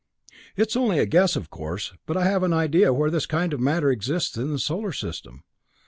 It's only a guess, of course but I have an idea where this kind of matter exists in the solar system.